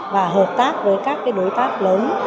và hợp tác với các đối tác lớn